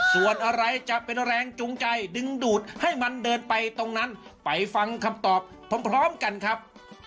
ส่วนอะไรจะเป็นแรงจูงใจดึงดูดให้มันเดินไปตรงนั้นไปฟังคำตอบพร้อมกันครับ